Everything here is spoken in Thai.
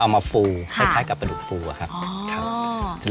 มาฟูคล้ายกับกระดูกฟูอะครับ